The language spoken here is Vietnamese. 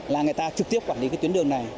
là người ta trực tiếp quản lý cái tuyến đường này